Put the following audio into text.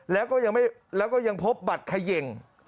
แล้วก็ยังพบบัตรเขย่ง